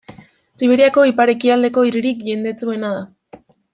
Siberiako ipar-ekialdeko hiririk jendetsuena da.